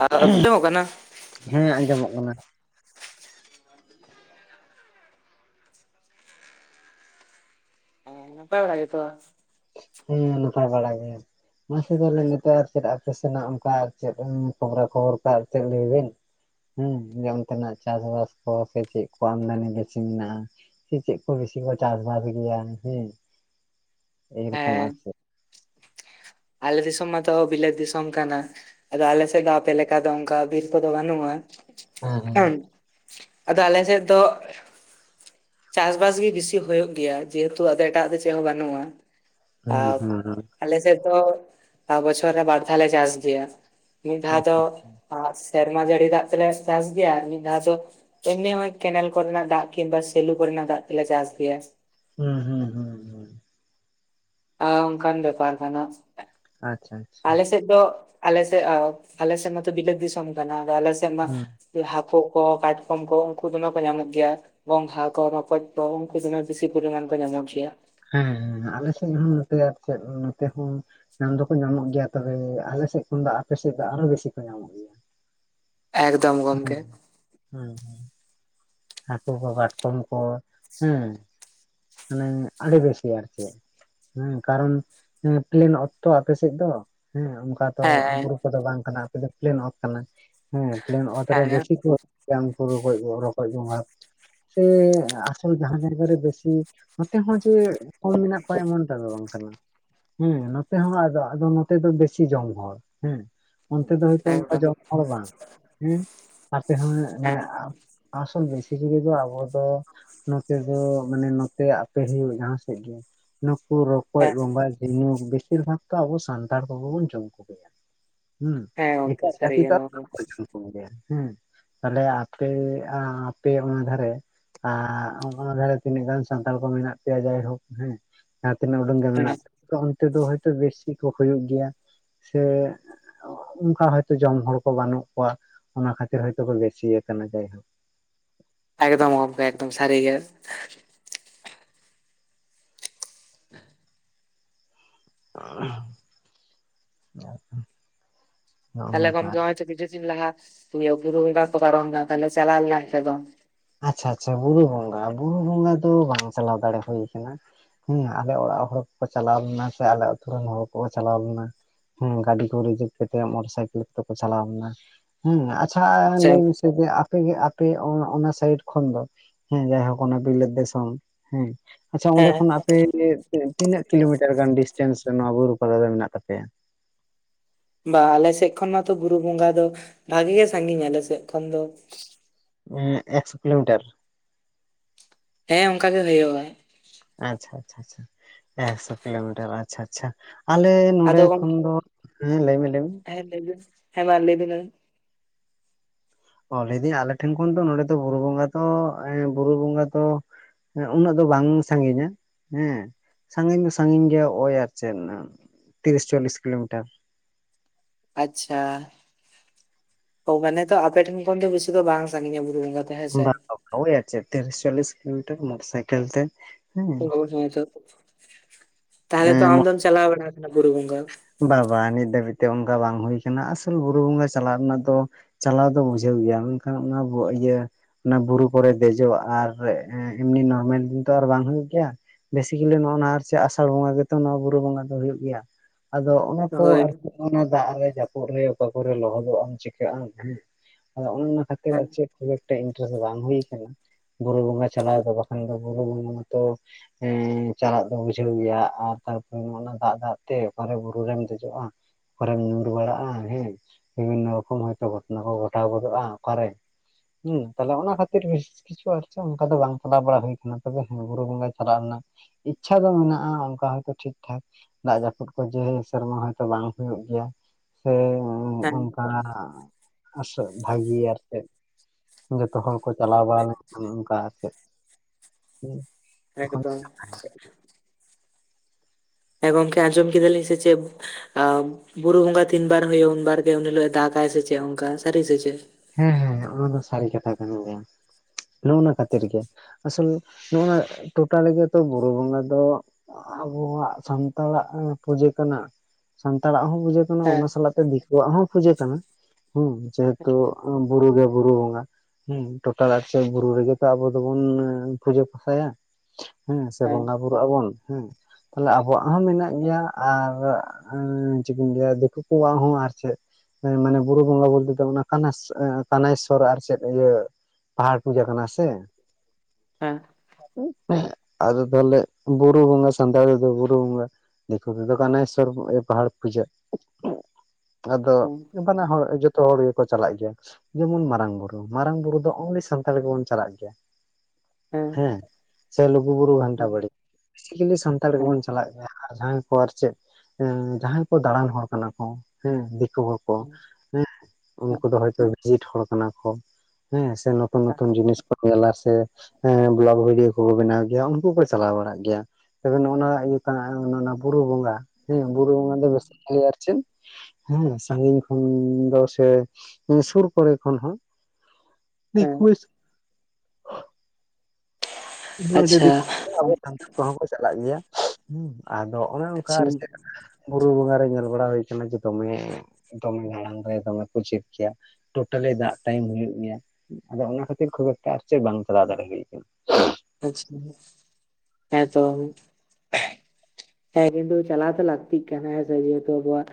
[unintelligible] ᱠᱟᱱᱟ? ᱦᱮᱸ ᱟᱸᱡᱚᱢᱚᱜ ᱠᱟᱱᱟ᱾ ᱚ ᱱᱟᱯᱟᱭ ᱵᱟᱲᱟ ᱜᱮᱛᱚ? ᱦᱩᱸ ᱱᱟᱯᱟᱭ ᱵᱟᱲᱟ ᱜᱮ᱾ ᱢᱟᱥᱮ ᱛᱟᱦᱚᱞᱮ ᱱᱤᱛᱚᱜ ᱟᱨ ᱪᱮᱫᱟᱜ ᱯᱮ ᱥᱮᱱᱚᱜ ᱚᱱᱠᱟ ᱪᱮᱫ ᱠᱷᱚᱵᱽᱨᱟ ᱠᱷᱚᱵᱚᱨ ᱠᱚ ᱟᱨ ᱪᱮᱫ ᱞᱟᱹᱭ ᱵᱤᱱ? ᱦᱩᱸ ᱡᱮ ᱚᱱᱛᱮᱱᱟᱜ ᱪᱟᱥ ᱵᱟᱥ ᱠᱚ ᱥᱮ ᱪᱮᱫ ᱠᱚ ᱟᱢᱫᱟᱱᱤ [unintelligible] ᱢᱮᱱᱟᱜᱼᱟ? ᱥᱮ ᱪᱮᱫ ᱠᱚ ᱵᱤᱥᱤ ᱠᱚ ᱪᱟᱥ-ᱵᱟᱥ ᱜᱮᱭᱟ ᱦᱩᱸ᱾ [inaudible] [unintelligible] ᱟᱞᱮ ᱫᱤᱥᱚᱢ ᱢᱚ ᱛᱚ ᱵᱤᱞᱟᱹᱛ ᱫᱤᱥᱚᱢ ᱠᱟᱱᱟ, ᱟᱫᱚ ᱟᱞᱮ ᱥᱮᱫ ᱫᱚ ᱟᱯᱮ ᱞᱮᱠᱟ ᱫᱚ ᱚᱱᱠᱟ ᱵᱤᱨ ᱠᱚᱫᱚ ᱵᱟᱹᱱᱩᱜᱼᱟ, ᱦᱮᱸ ᱦᱮᱸᱢ ᱟᱫᱚ ᱟᱞᱮ ᱥᱮᱫ ᱫᱚᱜ ᱪᱟᱥ ᱵᱟᱥ ᱜᱮ ᱵᱮᱥᱤ ᱦᱳᱭᱳᱜ ᱜᱮᱭᱟ, ᱡᱮᱦᱮᱛᱩ ᱟᱫᱚ ᱮᱴᱟᱜ ᱫᱮ ᱪᱮᱜ ᱦᱚᱸ ᱵᱟᱹᱱᱩᱜᱼᱟ᱾ ᱦᱮᱸ ᱦᱩᱸ ᱟᱻᱵ ᱦᱩᱸ ᱦᱩᱸ ᱟᱞᱮ ᱥᱮᱫ ᱫᱚ ᱟ ᱵᱚᱪᱷᱚᱨ ᱨᱮ ᱵᱟᱨ ᱫᱷᱟᱣ ᱞᱮ ᱪᱟᱥ ᱜᱮᱭᱟ᱾ ᱢᱤᱫ ᱫᱷᱟᱣ ᱟᱪᱪᱷᱟ ᱫᱚᱻᱜ ᱟᱪᱪᱷᱟ ᱟᱸ ᱥᱮᱨᱢᱟ ᱡᱟᱹᱲᱤ ᱫᱟᱜ ᱛᱮᱞᱮ ᱪᱟᱥ ᱜᱮᱭᱟ ᱟᱨ ᱢᱤᱫ ᱫᱷᱟᱣ ᱫᱚ ᱮᱢᱱᱤ ᱦᱚᱸᱭ ᱠᱮᱱᱮᱞ ᱠᱚᱨᱮᱱᱟᱜ ᱫᱟᱜ ᱠᱤᱢ ᱵᱟ ᱥᱤᱞᱩ ᱠᱚᱨᱮᱱᱟᱜ ᱫᱟᱜ ᱛᱮᱞᱮ ᱪᱟᱥ ᱜᱮᱭᱟ᱾ ᱦᱩᱸ ᱦᱩᱸ ᱦᱩᱸ ᱦᱩᱸ ᱾ ᱟᱸ ᱚᱝᱠᱟᱱ ᱵᱮᱯᱟᱨ ᱠᱟᱱᱟᱜ᱾ ᱟᱪᱪᱷᱟ ᱭ, ᱟᱞᱮ ᱥᱮᱫ ᱫᱚ ᱟᱞᱮ ᱥᱮᱜᱼᱚ ᱟᱞᱮ ᱥᱮᱫ ᱱᱚᱛᱮ ᱵᱤᱞᱟᱹᱛ ᱫᱤᱥᱚᱢ ᱠᱟᱱᱟ ᱟᱫᱚ ᱟᱞᱮ ᱥᱮᱫ ᱢᱟ ᱦᱩᱸ ᱡᱩᱫᱤ ᱦᱟᱠᱳ ᱠᱚ ᱠᱟᱴᱠᱚᱢ ᱠᱚ ᱩᱸᱠᱩ ᱫᱚᱢᱮ ᱠᱚ ᱧᱟᱢᱚᱜ ᱜᱮᱭᱟ, ᱜᱚᱝᱜᱷᱟ ᱠᱚ ᱨᱚᱠᱚᱡ ᱠᱚ ᱩᱸᱠᱩ ᱫᱚᱢᱮ ᱵᱮᱥᱤ ᱯᱩᱨᱟᱹ ᱜᱟᱱ ᱠᱚ ᱧᱟᱢᱚᱜ ᱜᱮᱭᱟ᱾ ᱦᱮᱸ ᱦᱮᱸ ᱟᱞᱮᱥᱮᱫ ᱦᱚᱸ ᱱᱚᱛᱮ ᱟᱨ ᱪᱮᱫ ᱱᱚᱛᱮ ᱦᱚᱸ ᱧᱟᱢ ᱫᱚᱠᱚ ᱧᱟᱢᱚᱜ ᱜᱮᱭᱟ ᱛᱚᱵᱮ ᱟᱞᱮᱥᱮᱫ ᱠᱷᱚᱱ ᱫᱚ ᱟᱯᱮᱥᱮᱫ ᱫᱚ ᱟᱨᱦᱚ ᱵᱮᱥᱤ ᱠᱚ ᱧᱟᱢᱚᱜ ᱜᱮᱭᱟ᱾ ᱮᱠᱫᱚᱢ ᱜᱚᱢᱠᱮ᱾ ᱦᱩᱸ ᱦᱩᱸ, ᱦᱟᱹᱠᱩ ᱠᱚ ᱠᱟᱴᱠᱚᱢ ᱠᱚ ᱦᱮᱸ᱾ ᱢᱟᱱᱮ ᱟᱹᱰᱤ ᱵᱮᱥ ᱜᱮ ᱟᱨᱠᱤ, ᱦᱮᱸ ᱠᱟᱨᱚᱱ ᱦᱮᱸ ᱯᱮᱞᱮᱱ ᱚᱛ ᱛᱚ ᱟᱯᱮᱥᱮᱫ ᱫᱚ ᱦᱮᱸ ᱚᱱᱠᱟ ᱛᱚᱻᱜ ᱦᱮᱸ ᱵᱩᱨᱩ ᱠᱚᱫᱚ ᱵᱟᱝ ᱠᱟᱱᱟ ᱟᱯᱮ ᱫᱚ ᱯᱮᱞᱮᱱ ᱚᱛ ᱠᱟᱱᱟ ᱦᱮᱸ ᱯᱮᱞᱮᱱ ᱚᱛ ᱨᱮ ᱦᱮᱸ ᱵᱮᱥᱤ ᱠᱚ ᱧᱟᱢ ᱠᱚ ᱩᱱᱠᱩ ᱨᱚᱠᱚᱡ ᱨᱚᱠᱚᱡ ᱜᱚᱝᱜᱷᱟ, ᱥᱮ ᱟᱥᱚᱞ ᱡᱟᱦᱟᱸ ᱡᱟᱭᱜᱟ ᱨᱮ ᱵᱮᱥᱤ ᱱᱚᱛᱮ ᱦᱚᱸ ᱡᱮ ᱠᱚᱢ ᱢᱮᱱᱟᱜ ᱠᱚᱣᱟ ᱮᱢᱚᱱ ᱴᱟᱜ ᱫᱚ ᱵᱟᱝ ᱠᱟᱱᱟ, ᱦᱮᱸ ᱱᱚᱛᱮ ᱦᱚᱸ ᱟᱫᱚ ᱟᱫᱚ ᱱᱚᱛᱮ ᱫᱚ ᱵᱮᱥᱤ ᱡᱚᱢ ᱦᱚᱲ ᱦᱮᱸ᱾ ᱚᱱᱛᱮ ᱫᱚ ᱦᱚᱭᱛᱳ ᱚᱱᱠᱟ ᱮᱠᱫᱚᱢ ᱡᱚᱢ ᱦᱚᱲ ᱵᱟᱝ ᱦᱮᱸ ᱟᱯᱮ ᱦᱚᱸ ᱮᱸ ᱦᱮᱸ ᱢᱟᱱᱮ ᱟᱯ ᱟᱥᱚᱞ ᱵᱟᱹᱭᱥᱤ ᱡᱤᱜᱟᱹ ᱫᱚ ᱟᱵᱚ ᱫᱚ ᱱᱚᱛᱮ ᱫᱚ ᱢᱟᱱᱮ ᱱᱚᱛ- ᱛᱮ ᱟᱯᱮ ᱦᱩᱭᱩᱜ ᱡᱟᱦᱟᱸ ᱥᱮᱫ ᱜᱮ, ᱱᱩᱠᱩ ᱨᱚᱠᱚᱡ, ᱦᱮᱸ ᱜᱚᱝᱜᱷᱟ, ᱡᱷᱤᱱᱩᱠ ᱵᱮ- ᱥᱤᱨ ᱵᱷᱟᱜᱽ ᱛᱚ ᱟᱵᱚ ᱥᱟᱱᱛᱟᱲ ᱠᱚᱜᱮ ᱵᱚᱱ ᱡᱚᱢ ᱠᱚ ᱜᱮᱭᱟ᱾ ᱦᱩᱸ ᱦᱮᱸ ᱜᱚᱢᱠᱮ ᱮᱴᱟᱜ ᱥᱟᱹᱨᱤ ᱡᱟᱹᱛᱤ ᱜᱮ ᱫᱚ ᱟᱨ ᱱᱚᱣᱟ ᱵᱟᱠᱚ ᱡᱚᱢ ᱠᱚ ᱜᱮᱭᱟ ᱦᱮᱸ, ᱛᱟᱦᱮᱞᱮ ᱟᱯᱮ ᱟᱸ ᱻᱯᱮ ᱚᱱᱟ ᱫᱷᱟᱨᱮ, ᱟᱸ ᱚᱱᱟ ᱫᱷᱟᱨᱮ ᱛᱤᱱᱟᱹᱜ ᱜᱟᱱ ᱥᱟᱱᱛᱟᱲ ᱠᱚ ᱢᱮᱱᱟᱜ ᱯᱮᱭᱟ ᱡᱟᱭᱦᱩᱠ ᱦᱮᱸ ᱡᱟᱦᱟᱸ ᱛᱤᱱᱟᱹᱜ ᱩᱰᱟᱝ ᱜᱮ ᱦᱮᱸ ᱢᱮᱱᱟᱜ ᱯᱮ ᱚᱱᱛᱮ ᱫᱚ ᱦᱚᱭᱛᱳ ᱵᱮᱥᱤ ᱠᱚ ᱦᱩᱭᱩᱜ ᱜᱮᱭᱟ, ᱥᱮ ᱚᱸᱠᱟ ᱦᱚᱭᱛᱳ ᱡᱚᱢ ᱦᱚᱲ ᱠᱚ ᱵᱟᱹᱱᱩᱜ ᱠᱚᱣᱟ, ᱚᱱᱟ ᱠᱷᱟᱹᱛᱤᱨ ᱦᱚᱭᱛᱳ ᱠᱚ ᱵᱮᱥᱤ ᱭᱟᱠᱟᱱᱟ ᱡᱟᱭᱦᱩᱠ᱾ ᱮᱠᱫᱚᱢ ᱜᱚᱢᱠᱮ ᱮᱠᱫᱚᱢ ᱥᱟᱹᱨᱤ ᱜᱮ᱾ [inaudible] [unintelligible] ᱱᱚᱜᱼᱚ ᱛᱟᱦᱮᱞᱮ ᱱᱚᱝᱠᱟ ᱜᱚᱢᱠᱮ ᱦᱚᱸᱜᱼᱚᱭ ᱠᱤᱪᱷᱩ ᱪᱤᱱ ᱞᱟᱦᱟ ᱚ ᱣᱤᱭᱳ ᱵᱩᱨᱩ ᱵᱚᱸᱜᱟ ᱠᱚ ᱯᱟᱨᱚᱢ ᱮᱱᱟ ᱛᱟᱦᱮᱞᱮ ᱪᱟᱞᱟᱣ ᱞᱮᱱᱟᱢ ᱥᱮ ᱵᱟᱝ? ᱟᱪᱪᱷᱟ ᱟᱪᱪᱷᱟ ᱵᱩᱨᱩ ᱵᱚᱸᱜᱟ ᱵᱩᱨᱩ ᱵᱚᱸᱜᱟ ᱫᱚ ᱵᱟᱝ ᱪᱟᱞᱟᱣ ᱫᱟᱲᱮ ᱦᱩᱭ ᱠᱟᱱᱟ᱾ ᱦᱩᱸ ᱟᱞᱮ ᱚᱲᱟᱜ ᱦᱚᱲ ᱠᱚᱠᱚ ᱪᱟᱞᱟᱣ ᱞᱮᱱᱟ ᱥᱮ ᱟᱞᱮ ᱟᱹᱛᱩ ᱨᱮᱱ ᱦᱚᱲ ᱠᱚᱠᱚ ᱪᱟᱞᱟᱣ ᱞᱮᱱᱟ, ᱦᱩᱸ ᱜᱟᱹᱰᱤ ᱠᱚ ᱨᱤᱡᱟᱹᱵᱽ ᱠᱮᱛᱮᱜ ᱢᱚᱴᱚᱨ ᱥᱟᱭᱠᱮᱞ ᱠᱚᱛᱮ ᱠᱚ ᱪᱟᱞᱟᱣ ᱞᱮᱱᱟ᱾ ᱦᱩᱸ ᱟᱪᱪᱷᱟᱼᱟ ᱟᱪᱪᱷᱟ ᱞᱟᱹᱭ ᱢᱮᱥᱮ ᱡᱮ ᱟᱯᱮ ᱜᱮ ᱟᱯᱮ ᱚᱱ ᱚᱱᱟ ᱥᱮ ᱥᱟᱹᱭᱤᱰ ᱠᱷᱚᱱ ᱫᱚ ᱦᱮᱸ ᱡᱟᱭᱦᱩᱠ ᱚᱱᱟ ᱵᱤᱞᱟᱹᱫᱽ ᱫᱤᱥᱚᱢ ᱦᱮᱸ ᱟᱪᱪᱷᱟ ᱚᱸᱰᱮ ᱦᱮᱸ ᱠᱷᱚᱱ ᱟᱯ ᱯᱮᱻ ᱛᱤᱱ ᱛᱤᱱᱟᱹᱜ ᱠᱤᱞᱳᱢᱤᱴᱟᱹᱨ ᱜᱟᱱ ᱰᱤᱥᱴᱮᱱᱥ ᱨᱮ ᱱᱚᱣᱟ ᱵᱩᱨᱩ ᱯᱟᱛᱟ ᱫᱚ ᱢᱮᱱᱟᱜ ᱛᱟᱯᱮᱭᱟ? ᱵᱟᱝᱼᱟ ᱟᱞᱮ ᱥᱮᱜ ᱠᱷᱚᱱ ᱢᱟ ᱛᱚ ᱵᱩᱨᱩ ᱵᱚᱸᱜᱟ ᱫᱚ ᱵᱷᱟᱜᱮ ᱜᱮ ᱥᱟᱺᱜᱤᱧᱼᱟ, ᱟᱞᱮ ᱥᱮᱜ ᱠᱷᱚᱱ ᱫᱚ᱾ ᱮᱸ ᱮᱠ ᱥᱚ ᱠᱤᱞᱳᱢᱤᱴᱟᱨ? ᱦᱮᱸ ᱚᱝᱠᱟ ᱜᱮ ᱦᱩᱭᱩᱜᱼᱟ᱾ ᱟᱪᱪᱷᱟ ᱟᱪᱪᱷᱟ ᱟᱪᱪᱷᱟ ᱮᱠ ᱥᱚ ᱠᱤᱞᱳᱢᱤᱴᱟᱹᱨ ᱟᱪᱪᱷᱟ ᱟᱪᱪᱷᱟ ᱟᱞᱮ ᱟᱫᱚ ᱱᱚᱰᱮ ᱠᱷᱚᱱ ᱜᱚᱝᱠᱮ ᱫᱚ, ᱦᱮᱸ ᱞᱟᱹᱭ ᱢᱮ ᱞᱟᱹᱭ ᱢᱮ? ᱦᱮᱸ ᱞᱟᱹᱭᱵᱮᱱ᱾ ᱦᱮᱸ ᱢᱟ ᱞᱟᱹᱭ ᱵᱤᱱ ᱟᱹᱵᱤᱱ᱾ ᱚᱻ ᱞᱟᱹᱭᱫᱟᱹᱧ ᱟᱞᱮ ᱴᱷᱮᱱ ᱠᱷᱚᱱ ᱫᱚ ᱱᱚᱰᱮ ᱫᱚ ᱵᱩᱨᱩ ᱵᱚᱸᱜᱟ ᱫᱚ ᱮᱸ ᱵᱩᱨᱩ ᱵᱚᱸᱜᱟ ᱫᱚ ᱩᱱᱟᱹᱜ ᱫᱚ ᱵᱟᱝ ᱥᱟᱺᱜᱤᱧᱟ ᱦᱮᱸ᱾ ᱥᱟᱺᱜᱤᱧ ᱫᱚ ᱥᱟᱺᱜᱤᱧ ᱜᱮᱭᱟ ᱳᱭ ᱟᱨ ᱪᱮᱫ ᱛᱤᱨᱤᱥ ᱪᱚᱞᱞᱤᱥ ᱠᱤᱞᱳ ᱢᱤᱴᱟᱨ᱾ ᱟᱪᱪᱷᱟ ᱚᱻ ᱢᱟᱱᱮ ᱫᱚ ᱟᱯᱮ ᱴᱷᱮᱱ ᱠᱷᱚᱱ ᱫᱚ ᱵᱮᱥᱤ ᱫᱚ ᱵᱟᱝ ᱥᱟᱺᱜᱤᱧᱟ ᱵᱩᱨᱩ ᱵᱚᱸᱜᱟ ᱛᱚ ᱦᱮᱸ ᱥᱮ? ᱵᱟᱝ ᱳᱭ ᱟᱨ ᱪᱮᱫ ᱛᱤᱨᱤᱥ ᱪᱚᱞᱞᱤᱥ ᱠᱤᱞᱳ ᱢᱤᱴᱟᱨ ᱢᱳᱴᱚᱨ ᱥᱟᱭᱠᱮᱞ ᱛᱮ᱾ ᱦᱮᱸ ᱛᱚ ᱦᱮᱸ ᱛᱚ ᱛᱟᱦᱚᱞᱮ ᱛᱚ ᱟᱢ ᱫᱚᱢ ᱪᱟᱞᱟᱣ ᱠᱟᱱᱟ ᱛᱟᱞᱦᱮ ᱵᱩᱨᱩ ᱵᱚᱸᱜᱟ? ᱵᱟᱸ ᱵᱟᱝ ᱱᱤᱛ ᱫᱷᱟᱹᱵᱤᱡ ᱛᱮ ᱚᱱᱠᱟ ᱵᱟᱝ ᱦᱩᱭ ᱠᱟᱱᱟ ᱟᱥᱚᱞ ᱵᱩᱨᱩ ᱵᱚᱸᱜᱟ ᱪᱟᱞᱟᱜ ᱨᱮᱱᱟᱜ ᱫᱚ ᱪᱟᱞᱟᱣ ᱫᱚ ᱵᱩᱡᱷᱟᱹᱣ ᱜᱮᱭᱟ ᱢᱮᱱᱠᱷᱟᱱ ᱚᱱᱟ ᱤᱭᱟᱹ ᱚᱱᱟ ᱵᱩᱨᱩ ᱠᱚᱨᱮ ᱫᱮᱡᱚᱜ ᱟᱨ ᱮᱢᱱᱤ ᱱᱚᱨᱢᱮᱞ ᱫᱤᱱ ᱛᱚ ᱟᱨ ᱵᱟᱝ ᱦᱩᱭᱩᱜ ᱜᱮᱭᱟ᱾ ᱵᱮᱥᱤ ᱠᱮᱞᱤ ᱱᱚᱜᱼᱱᱟ ᱟᱨᱪᱮᱫ ᱟᱥᱟᱲ ᱵᱚᱸᱜᱟ ᱜᱮ ᱛᱚ ᱱᱚᱣᱟ ᱵᱩᱨᱩ ᱵᱚᱸᱜᱟ ᱫᱚ ᱦᱩᱭᱩᱜ ᱜᱮᱭᱟ᱾ ᱟᱫᱚ ᱚᱱᱟ ᱠᱚ ᱦᱳᱭ ᱟᱨᱠᱤ ᱚᱱᱟ ᱫᱟᱜ ᱨᱮ ᱡᱟᱹᱯᱩᱫ ᱨᱮ ᱚᱠᱟ ᱠᱚᱨᱮ ᱞᱚᱦᱚᱫᱚᱜ ᱟᱢ ᱪᱤᱠᱟᱹᱜ ᱟᱢ ᱦᱮᱸ ᱟᱫᱚ ᱚᱱᱮ ᱚᱱᱟ ᱠᱷᱟᱹᱛᱤᱨ ᱦᱮᱸ ᱟᱨ ᱪᱮᱫ ᱠᱷᱩᱵ ᱮᱠᱴᱟ ᱤᱱᱴᱟᱨᱮᱥᱴ ᱵᱟᱝ ᱦᱩᱭ ᱠᱟᱱᱟ ᱵᱩᱨᱩ ᱵᱚᱸᱜᱟ ᱪᱟᱞᱟᱣ ᱫᱚ ᱵᱟᱠᱷᱟᱱ ᱫᱚ ᱵᱩᱨᱩ ᱵᱚᱸᱜᱟ ᱢᱟ ᱛᱚ ᱮᱸ ᱪᱟᱞᱟᱜ ᱫᱚ ᱵᱩᱡᱷᱟᱹᱣ ᱜᱮᱭᱟ ᱟᱨ ᱛᱟᱨᱯᱚᱨᱮ ᱱᱚᱜᱼᱱᱟ ᱫᱟᱜ ᱫᱟᱜ ᱛᱮ ᱚᱠᱟ ᱨᱮ ᱵᱩᱨᱩ ᱨᱮᱢ ᱫᱮᱡᱚᱜᱼᱟ᱾ ᱚᱠᱟ ᱨᱮᱢ ᱧᱩᱨ ᱵᱟᱲᱟᱜᱼᱟ ᱦᱮᱸ ᱵᱤᱵᱷᱤᱱᱱᱚ ᱨᱚᱠᱚᱢ ᱦᱚᱭᱛᱳ ᱜᱷᱚᱴᱚᱱᱟ ᱠᱚ ᱜᱷᱚᱴᱟᱣ ᱜᱚᱫᱚᱜᱼᱟ ᱚᱠᱟ ᱨᱮ᱾ ᱦᱩᱸ ᱛᱟᱞᱦᱮ ᱚᱱᱟ ᱠᱷᱟᱹᱛᱤᱨ ᱠᱤᱪᱷᱩ ᱟᱨ ᱚᱱᱠᱟ ᱫᱚ ᱵᱟᱝ ᱪᱟᱞᱟᱣ ᱵᱟᱲᱟ ᱦᱩᱭ ᱠᱟᱱᱟ ᱛᱚᱵᱮ ᱦᱮᱸ ᱵᱩᱨᱩ ᱵᱚᱸᱜᱟ ᱪᱟᱞᱟᱜ ᱨᱮᱱᱟᱜ ᱤᱪᱪᱷᱟ ᱫᱚ ᱢᱮᱱᱟᱜᱼᱟ ᱚᱱᱠᱟ ᱦᱚᱭ ᱛᱚ ᱴᱷᱤᱠ ᱴᱷᱟᱠ ᱫᱟᱜ ᱡᱟᱹᱯᱩᱫ ᱠᱚ ᱡᱮ ᱥᱮᱨᱢᱟ ᱦᱚᱭᱛᱚ ᱵᱟᱝ ᱦᱩᱭᱩᱜ ᱜᱮᱭᱟ ᱥᱮ ᱦᱮᱸ ᱚᱱᱠᱟ ᱟᱨ ᱥᱮᱫ ᱵᱷᱟᱹᱜᱤᱭᱟ ᱟᱨ ᱪᱮᱫ ᱡᱚᱛᱚ ᱦᱚᱲ ᱠᱚ ᱪᱟᱞᱟᱣ ᱵᱟᱲᱟ ᱞᱮᱱᱠᱷᱟᱱ ᱚᱱᱠᱟ ᱟᱨ ᱪᱮᱫ᱾ ᱦᱮᱸ᱾ ᱮᱠᱫᱚᱢ᱾ ᱮ ᱜᱚᱝᱠᱮ ᱟᱸᱡᱚᱢ ᱠᱮᱫᱟᱞᱤᱧ ᱥᱮᱪᱮᱫ ᱵᱩᱨᱩ ᱵᱚᱸᱜᱟ ᱛᱤᱱ ᱵᱟᱨ ᱦᱩᱭᱩᱜᱼᱟ ᱩᱱ ᱵᱟᱨ ᱜᱮ ᱩᱱ ᱦᱤᱞᱚᱜ ᱮ ᱫᱟᱜᱟᱭ ᱥᱮ ᱪᱮᱫ ᱚᱱᱠᱟ ᱥᱟᱹᱨᱤ ᱥᱮ ᱪᱮᱫ? ᱦᱮᱸ ᱦᱮᱸ ᱦᱮᱸ ᱚᱱᱟ ᱫᱚ ᱥᱟᱨᱤ ᱠᱟᱛᱷᱟ ᱠᱟᱱ ᱜᱮᱭᱟ᱾ ᱱᱚᱜᱼᱱᱟ ᱠᱷᱟᱹᱛᱤᱨ ᱜᱮ ᱟᱥᱚᱞ ᱱᱚᱜ-ᱱᱚᱣᱟ ᱴᱚᱴᱟᱞᱤ ᱜᱮᱛᱚ ᱵᱩᱨᱩ ᱵᱚᱸᱜᱟ ᱫᱚ ᱟᱵᱚᱣᱟᱜ ᱥᱟᱱᱛᱟᱲ ᱟᱜ ᱯᱩᱡᱟᱹ ᱠᱟᱱᱟ ᱥᱟᱱᱛᱟᱲ ᱟᱜ ᱦᱚᱸ ᱯᱩᱡᱟ ᱦᱮᱸ ᱚᱱᱟ ᱥᱟᱞᱟᱜ ᱛᱮ ᱫᱤᱠᱩᱣᱟᱜ ᱦᱚᱸ ᱯᱩᱡᱟᱹ ᱠᱟᱱᱟ ᱦᱮᱸ ᱦᱮᱸ ᱡᱮᱦᱮᱛᱩ ᱵᱩᱨᱩ ᱨᱮ ᱵᱩᱨᱩ ᱵᱚᱸᱜᱟ᱾ ᱦᱮᱸ ᱴᱚᱴᱟᱞ ᱟᱨ ᱪᱮᱫ ᱵᱩᱨᱩ ᱨᱮᱜᱮ ᱛᱚ ᱟᱵᱚ ᱫᱚᱵᱚᱱ ᱯᱩᱡᱟᱹ ᱯᱟᱥᱟᱭᱟ᱾ ᱦᱮᱸ ᱥᱮ ᱵᱚᱸᱜᱟ ᱵᱩᱨᱩᱜ ᱟᱵᱚᱱ ᱦᱮᱸ ᱛᱟᱞᱦᱞᱮ ᱟᱵᱚᱣᱟᱜ ᱦᱚᱸ ᱢᱮᱱᱟᱜ ᱜᱮᱭᱟ ᱟᱨ ᱡᱩᱫᱤᱧ ᱞᱟᱹᱭᱟ ᱫᱤᱠᱩ ᱠᱚᱣᱟᱜ ᱦᱚᱸ ᱟᱨ ᱪᱮᱫ ᱢᱟᱱᱮ ᱵᱩᱨᱩ ᱵᱚᱸᱜᱟ ᱵᱚᱞᱛᱮ ᱫᱚ ᱚᱱᱟ ᱠᱟᱱᱟᱥ ᱠᱟᱱᱟᱭᱮᱥᱚᱨ ᱟᱨ ᱪᱮᱫ ᱤᱭᱟᱹ ᱯᱟᱦᱟᱲ ᱯᱩᱡᱟᱹ ᱠᱟᱱᱟ ᱥᱮ᱾ ᱦᱮᱸ᱾ ᱟᱫᱚ ᱛᱟᱦᱚᱞᱮ ᱵᱩᱨᱩ ᱵᱚᱸᱜᱟ ᱥᱟᱱᱛᱟᱲ ᱛᱮ ᱫᱚ ᱵᱩᱨᱩ ᱵᱚᱸᱜᱟ᱾ ᱫᱮᱠᱳ ᱛᱮ ᱫᱚ ᱠᱟᱱᱟᱭᱮᱥᱥᱚᱨ ᱯᱟᱦᱟᱲ ᱯᱩᱡᱟ᱾ ᱟᱫᱚ ᱦᱮᱸ ᱵᱟᱱᱟ ᱦᱚᱲ, ᱡᱚᱛᱚ ᱦᱚᱲ ᱜᱮ ᱠᱚ ᱪᱟᱞᱟᱜ ᱜᱮᱭᱟ᱾ ᱡᱮᱢᱚᱱ ᱢᱟᱨᱟᱝ ᱵᱩᱨᱩ ᱢᱟᱨᱟᱝ ᱵᱩᱨᱩ ᱫᱚ ᱚᱱᱞᱤ ᱥᱟᱱᱛᱟᱲ ᱜᱮᱵᱚᱱ ᱪᱟᱞᱟᱜ ᱜᱮᱭᱟ᱾ ᱦᱮᱸ ᱥᱮ ᱞᱩᱜᱩᱵᱩᱨᱩ ᱜᱷᱟᱱᱴᱟ ᱵᱟᱲᱮ ᱵᱮᱥᱤᱠᱮᱞᱤ ᱥᱟᱱᱛᱟᱲ ᱦᱮᱸ ᱦᱮᱸ ᱜᱮᱵᱚᱱ ᱪᱟᱞᱟᱜ ᱜᱮᱭᱟ᱾ ᱟᱨ ᱡᱟᱦᱟᱸᱭ ᱠᱚ ᱟᱨ ᱪᱮᱫ ᱡᱟᱦᱟᱸᱭ ᱠᱚ ᱫᱟᱬᱟᱱ ᱦᱚᱲ ᱠᱟᱱᱟ ᱠᱚ ᱦᱮᱸ ᱫᱤᱠᱩ ᱦᱚᱲᱠᱚ᱾ ᱩᱱᱠᱩ ᱫᱚ ᱦᱚᱭᱛᱳ ᱵᱷᱤᱡᱤᱴ ᱦᱚᱲ ᱠᱟᱱᱟ ᱠᱚ ᱦᱮᱸ ᱥᱮ ᱱᱚᱛᱩᱱ ᱦᱮᱸ ᱱᱚᱛᱩᱱ ᱡᱤᱱᱤᱥ ᱠᱚ ᱧᱮᱞᱟ ᱥᱮ ᱦᱮᱸ ᱵᱞᱚᱠ ᱵᱷᱤᱰᱤᱭᱳ ᱠᱚᱠᱚ ᱵᱮᱱᱟᱣ ᱜᱮᱭᱟ ᱩᱱᱠᱩ ᱠᱚ ᱪᱟᱞᱟᱣ ᱵᱟᱲᱟᱜ ᱜᱮᱭᱟ᱾ ᱛᱚᱵᱮ ᱱᱚᱜᱼᱱᱟ ᱦᱩᱭᱩᱜ ᱠᱟᱱᱟ ᱱᱚᱣᱟ ᱵᱩᱨᱩ ᱵᱚᱸᱜᱟ᱾ ᱦᱮᱸ ᱵᱩᱨᱩ ᱵᱚᱸᱜᱟ ᱫᱚ ᱵᱮᱥ ᱟᱨ ᱪᱮᱫ ᱦᱮᱸ ᱥᱟᱜᱤᱧ ᱠᱷᱚᱱ ᱫᱚᱼᱼ ᱥᱮ ᱥᱩᱨ ᱠᱚᱨᱮ ᱠᱷᱚᱱ ᱦᱚᱸ [inaudible] ᱦᱮᱸ ᱟᱹᱰᱤ ᱟᱪᱪᱷᱟ ᱫᱤᱠᱳ ᱟᱵᱚ ᱥᱟᱱᱛᱟᱲ ᱠᱚᱦᱚᱸ ᱠᱚ ᱪᱟᱞᱟᱜ ᱜᱮᱭᱟ ᱦᱮᱸ ᱟᱫᱚ ᱚᱱᱮ ᱚᱱᱠᱟ ᱟᱪᱪᱷᱟ ᱟᱨ ᱪᱮᱫᱼᱼ ᱵᱩᱨᱩ ᱵᱚᱸᱜᱟ ᱨᱮ ᱧᱮᱞ ᱵᱟᱲᱟ ᱦᱩᱭ ᱠᱟᱱᱟ ᱡᱮ ᱫᱚᱢᱮᱼᱼ ᱫᱚᱢᱮ ᱢᱟᱲᱟᱝ ᱫᱚ ᱫᱚᱢᱮ ᱠᱚ ᱪᱮᱠ ᱜᱮᱭᱟ ᱴᱳᱴᱟᱞᱤ ᱫᱟᱜ ᱴᱟᱭᱤᱢ ᱦᱩᱭᱩᱜ ᱜᱮᱭᱟᱼᱼ ᱟᱫᱚ ᱚᱱᱟ ᱠᱷᱟᱹᱛᱤᱨ ᱠᱷᱩᱵ ᱮᱠᱴᱟ ᱟᱨ ᱵᱟᱝ ᱪᱟᱞᱟᱣ ᱫᱟᱲᱮ ᱦᱩᱭᱩᱜ ᱠᱟᱱᱟ᱾ ᱟᱪᱪᱷᱟ ᱦᱮᱸᱛᱚ᱾ ᱦᱮᱸ ᱠᱤᱱᱛᱩ ᱪᱟᱞᱟᱣ ᱫᱚ ᱞᱟᱹᱠᱛᱤᱜ ᱠᱟᱱᱟ ᱦᱮᱸ ᱡᱮᱦᱮᱛᱩ ᱟᱵᱚᱣᱟᱜᱼᱼ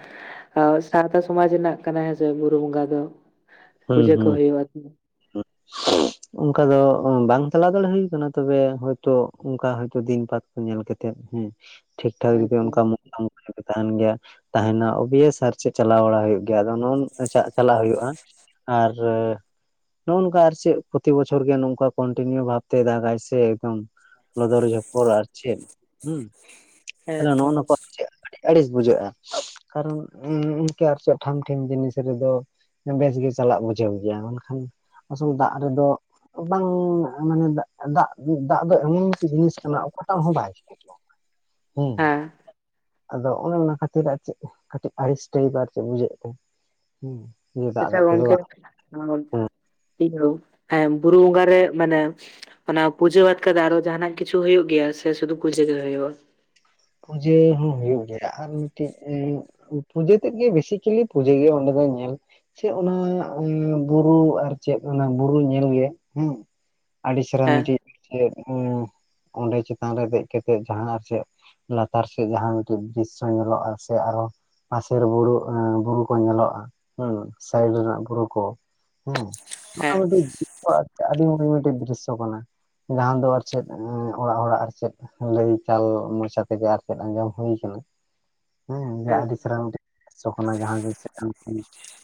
ᱟᱨ ᱥᱟᱶᱛᱟ ᱥᱚᱢᱟᱡᱽ ᱨᱮᱱᱟᱜ ᱠᱟᱱᱟ ᱦᱮᱸᱥᱮ ᱵᱩᱨᱩ ᱵᱚᱸᱜᱟ ᱫᱚ᱾ ᱦᱩᱸ ᱯᱩᱡᱟᱹ ᱠᱚ ᱦᱩ᱾ᱸ ᱦᱩᱭᱩᱜᱼᱟ [unintelligible] ᱚᱱᱠᱟ ᱫᱚ ᱵᱟᱝ ᱪᱟᱞᱟᱣ ᱫᱟᱲᱮ ᱦᱳᱭ ᱠᱟᱱᱟ ᱛᱚᱵᱮ ᱦᱳᱭᱛᱚ ᱚᱱᱠᱟ ᱦᱟᱱᱛᱮ ᱫᱤᱱ ᱯᱟᱛᱼᱼ ᱧᱮᱞ ᱠᱟᱛᱮᱫ ᱦᱮᱸ ᱴᱷᱤᱠ ᱴᱷᱟᱠ ᱦᱮᱸ ᱡᱚᱫᱤ ᱛᱚ ᱚᱱᱠᱟ [unintelligible] ᱛᱟᱦᱮᱱ ᱜᱮᱭᱟ ᱛᱟᱦᱮᱱᱟ ᱳᱵᱤᱭᱮᱥ ᱟᱨ ᱪᱮᱫ ᱪᱟᱞᱟᱣ ᱵᱟᱲᱟ ᱦᱩᱭᱩᱜ ᱜᱮᱭᱟ ᱟᱫᱚ ᱱᱚᱜᱼᱚᱭ ᱱᱚᱝᱠᱟ ᱪᱟᱞᱟᱣ ᱦᱩᱭᱩᱜᱼᱟ᱾ ᱟᱨᱻ ᱱᱚᱜᱼᱚᱭ ᱱᱚᱝᱠᱟ ᱟᱨ ᱪᱮᱫ ᱯᱨᱚᱛᱤ ᱵᱚᱪᱷᱚᱨ ᱜᱮ ᱱᱚᱝᱠᱟ ᱠᱚᱱᱴᱤᱱᱤᱭᱩ ᱵᱷᱟᱵᱛᱮ ᱫᱟᱜᱟᱭ ᱥᱮ ᱮᱠᱫᱚᱢᱼᱼ ᱞᱚᱫᱚᱨ ᱡᱷᱚᱯᱚᱨ ᱟᱨ ᱪᱮᱫ ᱦᱮᱸ ᱦᱮᱸᱛᱚ ᱱᱚᱜᱼ ᱱᱟ ᱠᱚ ᱟᱨ ᱪᱮᱫ, ᱟᱹᱰᱤ ᱟᱹᱲᱤᱥ ᱵᱩᱡᱷᱟᱹᱜᱼᱟ ᱠᱟᱨᱚᱱ ᱤᱱᱠᱟᱹ ᱟᱨ ᱪᱮᱫ ᱴᱷᱟᱢ ᱴᱷᱤᱢ ᱡᱤᱱᱤᱥ ᱨᱮᱫᱚᱼᱼ ᱵᱮᱥᱜᱮ ᱪᱟᱞᱟᱜ ᱵᱩᱡᱷᱟᱹᱣ ᱜᱮᱭᱟ ᱢᱮᱱᱠᱷᱟᱱ ᱟᱥᱚᱞ ᱫᱟᱜ ᱨᱮᱫᱚᱼᱼ ᱵᱟᱝ ᱢᱟᱱᱮ ᱫᱟᱜ ᱫᱟᱜ ᱫᱚ ᱮᱢᱚᱱ ᱢᱤᱫᱴᱮᱡ ᱡᱤᱱᱤᱥ ᱠᱟᱱᱟ ᱚᱠᱟᱴᱟᱜ ᱦᱚᱸ ᱵᱟᱭᱼᱼ [unintelligible] ᱦᱮᱸ, ᱟᱫᱚ ᱚᱱᱮ ᱚᱱᱟ ᱠᱷᱟᱹᱛᱤᱨ ᱟᱨ ᱪᱮᱫ ᱠᱟᱹᱴᱤᱡ ᱟᱹᱲᱤᱥ ᱴᱟᱹᱭᱤᱯ ᱟᱨ ᱪᱮᱫ ᱵᱩᱡᱷᱟᱹᱜ ᱠᱟᱱᱟᱼᱼ ᱟᱪᱪᱷᱟ ᱜᱚᱢᱠᱮ ᱤᱭᱟᱹ ᱦᱮ ᱵᱩᱨᱩ ᱵᱚᱸᱜᱟ ᱨᱮ ᱢᱟᱱᱮᱼᱼ ᱚᱱᱟ ᱯᱩᱡᱟᱹ ᱵᱟᱫ ᱠᱟᱛᱮ ᱟᱨᱚ ᱡᱟᱦᱟᱱᱟᱜ ᱠᱤᱪᱷᱩ ᱦᱩᱭᱩᱜ ᱜᱮᱭᱟ ᱥᱮ ᱥᱩᱫᱷᱩ ᱯᱩᱡᱟᱹ ᱜᱮ ᱦᱩᱭᱩᱜᱼᱟ᱾ ᱯᱩᱡᱟᱹ ᱦᱚᱸ ᱦᱩᱭᱩᱜ ᱜᱮᱭᱟ ᱟᱨ ᱢᱤᱫᱴᱤᱡ᱾ ᱯᱩᱡᱟᱹ ᱛᱮᱫ ᱜᱮ ᱵᱮᱥᱤᱠᱮᱞᱤ ᱯᱩᱡᱟᱹ ᱜᱮ ᱚᱸᱰᱮ ᱫᱚ ᱧᱮᱞᱼᱼ ᱪᱮᱫ ᱚᱱᱟ ᱵᱩᱨᱩ ᱟᱨ ᱪᱮᱫ ᱚᱱᱟ ᱵᱩᱨᱩ ᱧᱮᱞ ᱜᱮ ᱦᱮᱸ, ᱟᱹᱰᱤ ᱪᱮᱨᱦᱟ ᱦᱮᱸ ᱢᱤᱫᱤᱴᱤᱡ ᱪᱮᱫ ᱚᱸᱰᱮ ᱪᱮᱛᱟᱱ ᱨᱮ ᱫᱮᱡ ᱠᱟᱛᱮᱜ ᱡᱟᱦᱟᱸ ᱟᱨ ᱪᱮᱫᱼᱼ ᱞᱟᱛᱟᱨ ᱥᱮᱫ ᱡᱟᱦᱟᱸ ᱢᱤᱫᱴᱮᱱ ᱫᱨᱤᱥᱥᱚ ᱧᱮᱞᱚᱜᱼᱟ ᱥᱮ ᱟᱨᱦᱚᱼᱼ ᱯᱟᱥᱮᱨ ᱵᱩᱨᱩ ᱵᱩᱨᱩ ᱠᱚ ᱧᱮᱞᱚᱜᱼᱟ ᱦᱮᱸ ᱥᱟᱭᱤᱰ ᱨᱮᱱᱟᱜ ᱵᱩᱨᱩ ᱠᱚ ᱦᱮᱸ ᱚᱱᱟ ᱦᱮᱸ ᱢᱤᱫᱴᱤᱡ ᱟᱹᱰᱤ ᱢᱤᱫ ᱢᱤᱫᱴᱤᱡ ᱫᱨᱤᱥᱥᱚ ᱠᱟᱱᱟ᱾ ᱡᱟᱦᱟᱸ ᱫᱚ ᱟᱨ ᱪᱮᱫ ᱚᱲᱟᱜ ᱦᱚᱲᱟᱜ ᱟᱨ ᱪᱮᱫ ᱞᱟᱹᱭ ᱪᱟᱞ ᱢᱚᱪᱟᱼᱼ ᱜᱮ ᱟᱨ ᱪᱮᱫ ᱟᱸᱡᱚᱢ ᱦᱩᱭ ᱠᱟᱱᱟ ᱦᱮᱸ ᱡᱮ ᱟᱹᱰᱤ ᱪᱮᱨᱦᱟ ᱢᱤᱫᱴᱤᱡᱼᱼ ᱡᱚᱠᱷᱚᱱ ᱡᱟᱦᱟᱸ ᱡᱤᱱᱤᱥ ᱪᱮᱛᱟᱱ ᱠᱷᱚᱱ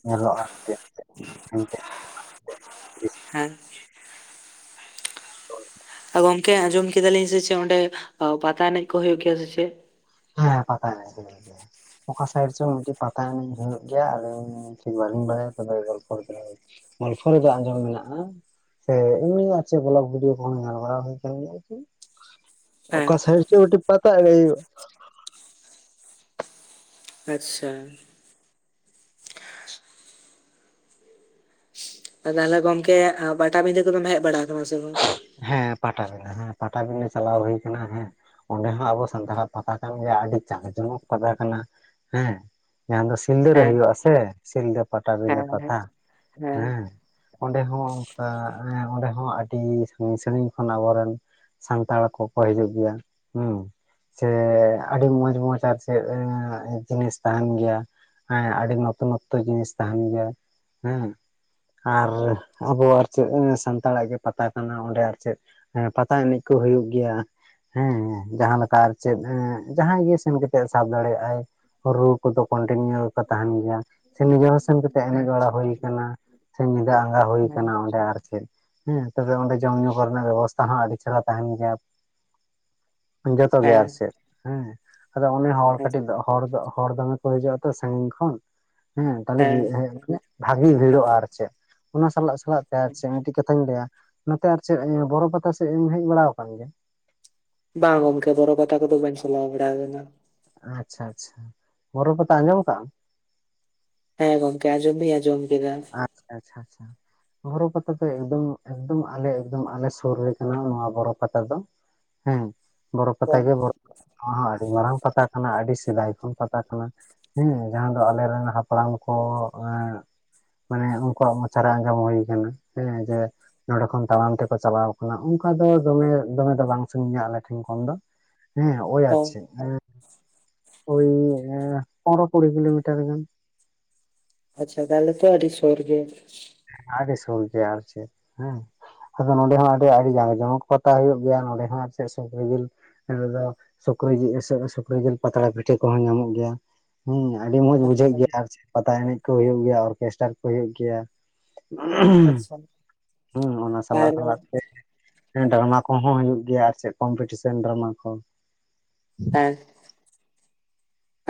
ᱵᱚᱞᱚᱜ ᱟ ᱜᱮ ᱪᱮᱫ ᱧᱮᱞᱚᱜᱼᱟ [inaudible] ᱦᱮᱸ᱾ [unintelligible] ᱜᱚᱢᱠᱮ ᱟᱸᱡᱚᱢ ᱠᱮᱫᱟᱞᱤᱧ ᱥᱮ ᱪᱮᱫ ᱚᱸᱰᱮ ᱯᱟᱛᱟ ᱮᱱᱮᱡ ᱠᱚ ᱦᱳᱭᱳᱜ ᱜᱮᱭᱟ ᱥᱮ ᱪᱮᱫ? ᱦᱮᱸ ᱯᱟᱛᱟ ᱮᱱᱮᱡ ᱦᱩᱭᱩᱜ ᱜᱮᱭᱟ ᱚᱠᱟ ᱥᱟᱭᱤᱰ ᱪᱚᱝ ᱢᱤᱫᱴᱮᱡ ᱯᱟᱛᱟ ᱮᱱᱮᱡ ᱦᱩᱭᱩᱜ ᱜᱮᱭᱟ ᱟᱫᱚᱧ, ᱴᱷᱤᱠ ᱵᱟᱹᱞᱤᱧ ᱵᱟᱲᱟᱭᱟ ᱛᱚᱵᱮ ᱜᱚᱞᱯᱷᱚ ᱞᱮᱠᱟ ᱜᱚᱞᱯᱷᱚ ᱞᱮᱠᱟ ᱟᱸᱡᱚᱢ ᱢᱮᱱᱟᱜᱼᱟ, ᱦᱮᱸ ᱮᱢᱱᱤ ᱟᱨ ᱪᱮᱫ ᱵᱚᱞᱚᱠ ᱵᱷᱤᱰᱤᱭᱳ ᱠᱚ ᱦᱚ ᱧᱮᱞ ᱵᱟᱲᱟ ᱦᱩᱭ ᱠᱟᱱ ᱜᱮᱭᱟ ᱟᱨᱠᱤ, ᱦᱮᱸ ᱚᱠᱟ ᱥᱟᱭᱤᱰ ᱨᱮᱪᱚ ᱢᱤᱫᱴᱮᱡ ᱯᱟᱛᱟ ᱮᱱᱮᱢ ᱦᱩᱭᱩᱜᱼᱟ᱾ ᱟᱪᱪᱷᱟ᱾ ᱛᱟᱦᱞᱮ ᱜᱚᱝᱠᱮ ᱯᱟᱴᱟᱵᱤᱫᱟᱹ ᱠᱚᱫᱚᱢ ᱦᱮᱡ ᱵᱟᱲᱟ ᱠᱟᱱᱟ ᱥᱮ ᱵᱟᱝ? ᱦᱮᱸ ᱯᱟᱴᱟᱵᱤᱸᱫᱟᱹ ᱦᱮᱸ ᱯᱟᱴᱟᱵᱤᱸᱫᱟᱹ ᱪᱟᱞᱟᱣ ᱦᱩᱭ ᱠᱟᱱᱟ ᱦᱮᱸ᱾ ᱚᱸᱰᱮ ᱦᱚᱸ ᱟᱵᱚ ᱥᱟᱱᱛᱟᱲᱟᱜ ᱯᱟᱛᱟ ᱠᱟᱱ ᱜᱮᱭᱟ ᱟᱹᱰᱤ ᱡᱟᱠ ᱡᱚᱢᱚᱠ ᱯᱟᱛᱟ ᱠᱟᱱᱟ ᱦᱮᱸ ᱡᱟᱦᱟᱸ ᱫᱚ ᱥᱤᱞᱫᱟᱹ ᱨᱮ ᱦᱮᱸ ᱦᱩᱭᱩᱜ ᱟᱥᱮ ᱥᱤᱞᱫᱟᱹ ᱦᱮᱸ ᱯᱟᱴᱟᱵᱤᱸᱫᱟᱹ ᱦᱮᱸ ᱯᱟᱛᱟ ᱦᱮᱸ ᱚᱸᱰᱮ ᱦᱚᱸ ᱚᱱᱠᱟ ᱚᱸᱰᱮ ᱦᱚᱸ ᱟᱹᱰᱤ ᱟᱹᱰᱤ ᱥᱟᱹᱜᱤᱧ ᱥᱟᱹᱜᱤᱧ ᱠᱷᱚᱱ ᱟᱵᱚ ᱨᱮᱱ ᱥᱟᱱᱛᱟᱲ ᱠᱚᱠᱚ ᱦᱤᱡᱩᱜ ᱜᱮᱭᱟ ᱦᱮᱸ ᱥᱮ ᱟᱹᱰᱤ ᱢᱚᱸᱡᱽ ᱢᱚᱸᱡᱽ ᱟᱨ ᱪᱮᱫ ᱡᱤᱱᱤᱥ ᱛᱟᱦᱮᱱ ᱜᱮᱭᱟ ᱦᱮᱸ ᱟᱹᱰᱤ ᱱᱚᱛᱩᱱᱚᱛᱛᱚ ᱡᱤᱱᱤᱥ ᱛᱟᱦᱮᱱ ᱜᱮᱭᱟ ᱦᱮᱸ ᱟᱨ ᱟᱵᱚᱣᱟᱜ ᱟᱨ ᱪᱮᱫ ᱥᱟᱱᱛᱟᱲᱟᱜ ᱜᱮ ᱯᱟᱛᱟ ᱠᱟᱱᱟ ᱚᱸᱰᱮ ᱟᱨ ᱪᱮᱫ ᱯᱟᱛᱟ ᱮᱱᱮᱡ ᱠᱚ ᱦᱩᱭᱩᱜ ᱜᱮᱭᱟ ᱦᱮᱸ ᱡᱟᱦᱟᱸ ᱞᱮᱠᱟ ᱟᱨ ᱪᱮᱫ ᱮ ᱡᱟᱦᱟᱸᱭ ᱜᱮ ᱥᱮᱱ ᱠᱟᱛᱮᱜ ᱮ ᱥᱟᱵ ᱫᱟᱲᱮ-ᱟᱭ ᱨᱩ ᱠᱚᱫᱚ ᱠᱚᱱᱴᱤᱱᱤᱭᱩ ᱠᱚ ᱛᱟᱦᱮᱱ ᱜᱮᱭᱟ ᱥᱮ ᱱᱤᱡᱮ ᱦᱚᱸ ᱥᱮᱱ ᱠᱟᱛᱮᱫ ᱮᱱᱮᱡ ᱵᱟᱲᱟ ᱦᱩᱭ ᱠᱟᱱᱟ ᱥᱮ ᱧᱤᱫᱟᱹ ᱟᱸᱜᱟ ᱦᱩᱭ ᱠᱟᱱᱟ ᱚᱸᱰᱮ ᱟᱨ ᱪᱮᱫ ᱦᱮᱸ ᱛᱚᱵᱮ ᱚᱸᱰᱮ ᱡᱚᱢ ᱧᱩ ᱠᱚᱨᱮᱱᱟᱜ ᱵᱮᱵᱚᱥᱛᱟ ᱦᱚᱸ ᱟᱹᱰᱤ ᱪᱮᱦᱨᱟ ᱛᱟᱦᱮᱱ ᱜᱮᱭᱟ ᱡᱚᱛᱚᱜᱮ ᱟᱨ ᱦᱮᱸ ᱪᱮᱫ ᱦᱮᱸ ᱟᱫᱚ ᱚᱱᱮ ᱦᱚᱲ ᱠᱟᱹᱴᱤᱡ ᱟᱪᱪᱷᱟ ᱦᱚᱲ ᱫᱚ ᱦᱚᱲ ᱫᱚ ᱠᱚ ᱦᱤᱡᱩᱜ ᱟ ᱛᱚ ᱥᱟᱹᱜᱤᱧ ᱠᱷᱚᱱ ᱦᱮᱸ ᱛᱟᱞᱦᱮ ᱵᱷᱟᱜᱤ ᱵᱷᱤᱲᱚᱜᱼᱟ ᱟᱨ ᱪᱮᱫ ᱚᱱᱟ ᱥᱟᱞᱟᱜ ᱥᱟᱞᱟᱜ ᱛᱮ ᱟᱨ ᱪᱮᱫ ᱢᱤᱴᱤᱡ ᱛᱚ ᱭᱟ ᱱᱚᱛᱮ ᱟᱨ ᱪᱮᱫ ᱵᱚᱨᱚ ᱯᱟᱛᱟ ᱥᱮᱫ ᱮᱢ ᱦᱮᱡ ᱵᱟᱲᱟ ᱠᱟᱱ ᱜᱮᱭᱟ? ᱵᱟᱝ ᱜᱚᱢᱠᱮ ᱵᱚᱨᱚ ᱯᱟᱛᱟ ᱠᱚᱫᱚ ᱵᱟᱹᱧ ᱪᱟᱞᱟᱣ ᱵᱟᱲᱟ ᱠᱟᱱᱟ ᱟᱪᱪᱷᱟ ᱟᱪᱪᱷᱟ ᱵᱚᱨᱚ ᱯᱟᱛᱟ ᱟᱸᱡᱚᱢ ᱠᱟᱜᱼᱟᱢ ᱦᱮᱸ ᱜᱚᱢᱠᱮ ᱟᱸᱡᱚᱢᱫᱩᱧ ᱟᱸᱡᱚᱢ ᱠᱮᱫᱟ ᱟᱪᱪᱷᱟ ᱟᱪᱷᱟ ᱟᱪᱷᱟ ᱵᱚᱨᱚ ᱯᱟᱛᱟ ᱫᱚ ᱮᱠᱫᱚᱢ ᱮᱠᱫᱚᱢ ᱟᱞᱮ ᱟᱞᱮ ᱥᱩᱨ ᱨᱮ ᱠᱟᱱᱟ ᱱᱚᱣᱟ ᱵᱚᱨᱚ ᱯᱟᱛᱟ ᱫᱚ ᱦᱮᱸ ᱵᱚᱨᱚ ᱯᱟᱛᱟ ᱜᱮ ᱵᱚᱨᱚ ᱱᱚᱣᱟ ᱦᱚᱸ ᱟᱹᱰᱤ ᱢᱟᱨᱟᱝ ᱯᱟᱛᱟ ᱠᱟᱱᱟ ᱟᱹᱰᱤ ᱥᱤᱫᱟᱭ ᱠᱷᱚᱱ ᱯᱟᱛᱟ ᱠᱟᱱᱟ ᱦᱮᱸ ᱡᱟᱦᱟᱸ ᱫᱚ ᱟᱞᱮᱨᱮᱱ ᱦᱟᱯᱲᱟᱢ ᱠᱚ ᱮ ᱢᱟᱱᱮ ᱩᱱᱠᱩᱣᱟᱜ ᱢᱚᱪᱟ ᱨᱮ ᱟᱸᱡᱚᱢ ᱦᱩᱭ ᱠᱟᱱᱟ ᱦᱮᱸ ᱡᱮ ᱱᱚᱸᱰᱮ ᱠᱷᱚᱱ ᱛᱟᱲᱟᱢ ᱛᱮᱠᱚ ᱪᱟᱞᱟᱣᱟ ᱠᱟᱱᱟ ᱚᱱᱠᱟ ᱫᱚ ᱫᱚᱢᱮ ᱫᱚᱢᱮ ᱫᱚ ᱵᱟᱝ ᱥᱟᱹᱜᱤᱧᱟ ᱟᱞᱮ ᱴᱷᱮᱱ ᱠᱷᱚᱱ ᱫᱚ ᱦᱮᱸ ᱳᱭ ᱟᱨ ᱪᱮᱫ ᱯᱚᱱᱨᱚ ᱠᱩᱲᱤ ᱠᱤᱞᱳᱢᱤᱴᱟᱨ ᱜᱟᱱ ᱟᱪᱪᱷᱟ ᱛᱟᱦᱚᱞᱮ ᱛᱚ ᱟᱹᱰᱤ ᱥᱳᱨ ᱜᱮ ᱟᱰᱤ ᱥᱩᱨ ᱜᱮᱭᱟ ᱟᱨ ᱪᱮᱫ ᱦᱮᱸ ᱟᱫᱚ ᱱᱚᱰᱮ ᱦᱚᱸ ᱟᱹᱰᱤ ᱟ. ᱰᱤ ᱡᱟᱸᱠ ᱡᱚᱢᱚᱠ ᱯᱟᱛᱟ ᱦᱳᱭ ᱜᱮᱭᱟ ᱱᱚᱰᱮ ᱦᱚᱸ ᱟᱨ ᱪᱮᱫ ᱥᱩᱠᱨᱤ ᱡᱤᱞ ᱱᱚᱰᱮ ᱫᱚ ᱥᱩᱠᱨᱤ ᱡᱤᱞ ᱥᱮ ᱥᱩᱠᱨᱤ ᱡᱤᱞ ᱯᱟᱛᱲᱟ ᱯᱤᱴᱷᱟᱹ ᱠᱚᱦᱚᱸ ᱧᱟᱢᱚᱜ ᱜᱮᱭᱟ ᱦᱮᱸ ᱟᱹᱰᱤ ᱢᱚᱸᱡᱽ ᱵᱩᱡᱷᱟᱹᱜ ᱜᱮᱭᱟ ᱟᱪᱪᱷᱟ ᱟᱨ ᱪᱮᱫ ᱯᱟᱛᱟ ᱮᱱᱮᱡ ᱠᱚ ᱦᱩᱭᱩᱜ ᱜᱮᱭᱟ ᱚᱨᱜᱮᱥᱴᱟᱨ ᱠᱚ ᱦᱩᱭᱩᱜ ᱜᱮᱭᱟ ᱦᱮᱸ ᱚᱱᱟ ᱥᱟᱞᱟᱜ ᱟᱨ ᱥᱟᱞᱟᱜ ᱛᱮ ᱰᱨᱟᱢᱟ ᱠᱚᱦᱚᱸ ᱦᱩᱭᱩᱜ ᱜᱮᱭᱟ ᱟᱨ ᱪᱮᱫ ᱠᱚᱢᱯᱤᱴᱤᱥᱮᱱ ᱰᱨᱟᱢᱟ ᱠᱚ ᱦᱮᱸ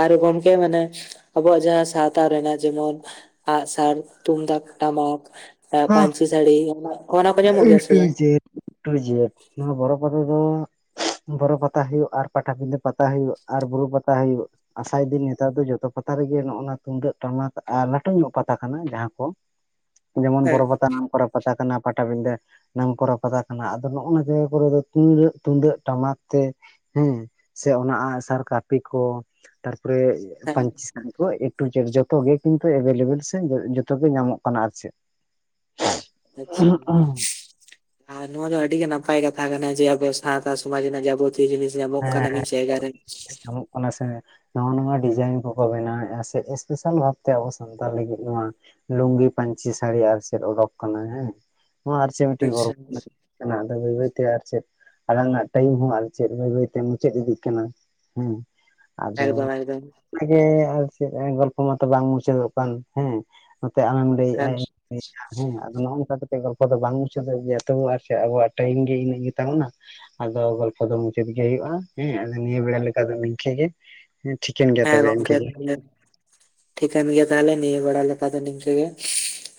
ᱟᱨ ᱜᱚᱝᱠᱮ ᱢᱟᱱᱮ ᱟᱵᱚᱣᱟᱜ ᱡᱟᱦᱟᱸ ᱥᱟᱶᱛᱟ ᱨᱮᱱᱟᱜ ᱡᱮᱢᱚᱱ ᱟᱜ ᱥᱟᱨ ᱛᱩᱢᱫᱟᱜ ᱴᱟᱢᱟᱠ ᱯᱟᱱᱪᱤ ᱥᱟᱲᱤ ᱮ ᱴᱩ ᱡᱮᱴ ᱴᱩ ᱡᱮᱴ ᱱᱚᱣᱟ ᱵᱚᱨᱚ ᱯᱟᱛᱟ ᱫᱚ-ᱸ ᱵᱚᱨᱚ ᱯᱟᱛᱟ ᱦᱩᱭᱩᱜ ᱟᱨ ᱯᱟᱴᱟᱵᱤᱸᱰᱷᱟᱹ ᱯᱟᱛᱟ ᱦᱩᱭᱩᱜ ᱟᱨ ᱵᱩᱨᱩ ᱯᱟᱛᱟ ᱦᱩᱭᱩᱜ ᱟᱥᱟᱭ ᱫᱟ. ᱧ ᱱᱮᱛᱟᱨ ᱫᱚ ᱡᱚᱛᱚ ᱯᱟᱛᱟ ᱨᱮᱜᱮ ᱱᱚᱜ ᱱᱚᱣᱟ ᱛᱩᱢᱫᱟᱹᱜ ᱴᱟᱢᱟᱠ ᱟᱨ ᱞᱟᱹᱴᱩ ᱧᱚᱜ ᱯᱟᱛᱟ ᱠᱟᱱᱟ ᱡᱟᱦᱟᱸ ᱠᱚ ᱡᱮᱢᱚᱱ ᱦᱮᱸ ᱵᱚᱨᱚ ᱯᱟᱛᱟ ᱱᱟᱢ ᱠᱚᱨᱟ ᱯᱟᱛᱟ ᱠᱟᱱᱟ ᱯᱟᱴᱟᱵᱤᱸᱫᱟᱹ ᱱᱚᱣᱟ ᱯᱚᱨᱚᱵ ᱠᱚ ᱛᱟᱦᱮ ᱠᱟᱱᱟ ᱟᱫᱚ ᱱᱚᱜᱱᱟ ᱡᱟᱭᱜᱟ ᱠᱚᱨᱮ ᱫᱚ ᱛᱩᱢᱟᱜ ᱛᱩᱫᱟᱹᱜ ᱛᱩᱢᱫᱟᱹᱜ ᱴᱟᱢᱟᱠ ᱛᱮ ᱦᱮᱸ ᱥᱮ ᱚᱱᱟ ᱟᱜᱥᱟᱨ ᱠᱟᱹᱯᱤ ᱠᱚ ᱛᱟᱨᱯᱚᱨᱮ ᱦᱮᱸ ᱯᱟᱧᱪᱤ ᱦᱟᱱᱠᱚ ᱮᱴᱩ ᱡᱮᱴ ᱡᱚᱛᱚ ᱜᱮ ᱠᱤᱱᱛᱩ ᱮᱵᱮᱞᱮᱵᱮᱞ ᱥᱮ ᱡᱚ-ᱡᱚᱛᱚ ᱜᱮ ᱧᱟᱢᱚᱜ ᱠᱟᱱᱟ ᱟᱨ ᱪᱮᱫ ᱾ ᱟᱪᱪᱷᱟ ᱾ ᱟᱨ ᱱᱚᱣᱟ ᱫᱚ ᱟᱹᱰᱤ ᱜᱮ ᱱᱟᱯᱟᱭ ᱠᱟᱛᱷᱟ ᱠᱟᱱᱟ ᱡᱮ ᱟᱵᱚ ᱥᱟᱶᱛᱟ ᱥᱚᱢᱟᱡ ᱨᱮᱱᱟᱜ ᱡᱟᱵᱚ ᱛᱤ ᱡᱤᱱᱤᱥ ᱧᱟᱢᱚᱜ ᱠᱟᱱ ᱢᱤᱫ ᱡᱟᱭᱜᱟ ᱨᱮ ᱾ ᱚᱱᱟ ᱥᱮ ᱱᱟᱣᱟ ᱱᱟᱣᱟ ᱰᱤᱡᱟᱭᱤᱱ ᱠᱚᱠᱚ ᱵᱮᱱᱟᱣᱮᱫᱼᱟ ᱥᱮ ᱮᱥᱯᱮᱥᱟᱞ ᱵᱷᱟᱵ ᱛᱮ ᱟᱵᱚ ᱥᱟᱱᱛᱟᱲ ᱞᱟᱹᱜᱤᱫ ᱱᱚᱣᱟ ᱞᱩᱝᱜᱤ ᱯᱟᱹᱧᱪᱤ ᱥᱟᱹᱲᱤ ᱟᱨ ᱪᱮᱫ ᱚᱰᱚᱠ ᱠᱟᱱᱟ ᱦᱮᱸ ᱱᱚᱣᱟ ᱟᱨ ᱪᱮᱫ ᱢᱤᱫᱴᱤᱡ ᱟᱪᱪᱷᱟ ᱜᱚᱨᱚᱵ ᱠᱟᱱᱟ ᱪᱮᱫ ᱠᱟᱱᱟ ᱟᱫᱚ ᱵᱟᱹᱭ ᱵᱟᱹᱭ ᱛᱮ ᱟᱨ ᱪᱮᱫ ᱟᱞᱟᱝᱟᱜ ᱴᱟᱭᱤᱢ ᱦᱚᱸ ᱟᱨ ᱪᱮᱫ ᱵᱟᱹᱭ ᱵᱟᱹᱭ ᱛᱮ ᱢᱩᱪᱟᱹᱫ ᱤᱫᱤᱜ ᱠᱟᱱᱟ ᱾ ᱦᱮᱸ, ᱮᱠᱫᱚᱢ ᱟᱫᱚ ᱮᱠᱫᱚᱢ ᱚᱱᱟᱜᱮ ᱟᱨ ᱪᱮᱫ ᱜᱚᱞᱯᱚ ᱢᱟᱛᱚ ᱵᱟᱝ ᱢᱩᱪᱟᱹᱫᱚᱜ ᱠᱟᱱ ᱦᱮᱸ ᱱᱚᱛᱮ ᱟᱢᱮᱢ ᱦᱮᱸ ᱞᱟᱹᱭᱮᱜᱼᱟ ᱦᱮᱸ ᱟᱫᱚ ᱱᱚᱜᱼᱚᱝᱠᱟ ᱠᱟᱛᱮᱜ ᱜᱚᱞᱯᱚ ᱫᱚ ᱵᱟᱝ ᱢᱩᱪᱟᱹᱫ ᱜᱮᱭᱟ, ᱛᱚᱵᱩ ᱟᱨ ᱪᱮᱫ ᱟᱵᱚᱣᱟᱜ ᱴᱟᱭᱤᱢ ᱜᱮ ᱤᱱᱟᱹᱜ ᱜᱮ ᱛᱟᱵᱚᱱᱟ ᱾ ᱟᱫᱚ ᱜᱚᱞᱯᱚ ᱫᱚ ᱢᱩᱪᱟᱹᱫ ᱜᱮ ᱦᱩᱭᱩᱜᱼᱟ ᱾ ᱦᱮᱸ, ᱟᱫᱚ ᱱᱤᱭᱟᱹ ᱵᱮᱲᱟ ᱞᱮᱠᱟ ᱫᱚ ᱱᱤᱝᱠᱟᱹ ᱜᱮ ᱾ ᱦᱮᱸ ᱴᱷᱤᱠᱟᱹᱱ ᱦᱮᱸ ᱜᱚᱝᱠᱮ ᱛᱟᱦᱚᱞᱮ ᱴᱷᱤᱠᱟᱹᱱ ᱜᱮᱭᱟ ᱛᱟᱦᱚᱞᱮ ᱱᱤᱭᱟᱹ ᱵᱮᱲᱟ ᱞᱮᱠᱟ ᱫᱚ ᱱᱤᱝᱠᱟᱹ ᱜᱮ ᱾